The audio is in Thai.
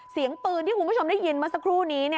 เสียงปืนที่คุณผู้ชมได้ยินเมื่อสักครู่นี้